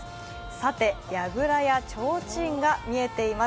さて、やぐらやちょうちんが見えています。